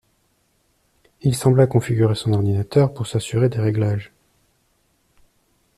il sembla configurer son ordinateur pour s’assurer des réglages.